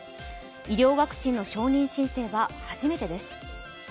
医療ワクチンの承認申請は初めてです。